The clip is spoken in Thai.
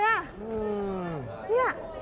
เนี่ย